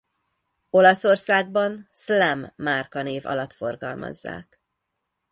Olaszországban Slam márkanév alatt forgalmazzák.